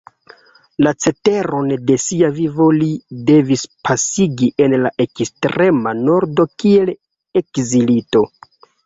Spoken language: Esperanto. La ceteron de sia vivo li devis pasigi en la ekstrema Nordo kiel ekzilito.